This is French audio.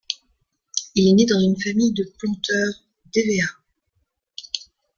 Il est né dans une famille de planteurs d'hévéas.